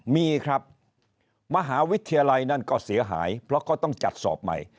มีครับมหาวิทยาลัยนั่นก็เสียหายเพราะก็ต้องจัดสอบใหม่